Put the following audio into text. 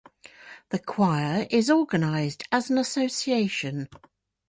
The choir is organised as an association.